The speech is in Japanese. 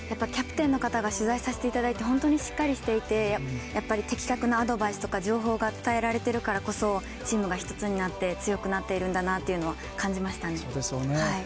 キャプテンの方が、取材させていただいて本当にしっかりしていて、やっぱり的確なアドバイスとか情報が伝えられてるからこそ、チームが一つになって強くなっているんだなというのは感じましたね。